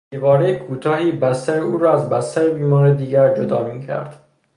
دیوارهی کوتاهی بستر او را از بستر بیمار دیگر جدا میکرد.